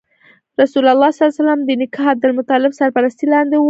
رسول الله ﷺ د نیکه عبدالمطلب تر سرپرستۍ لاندې و.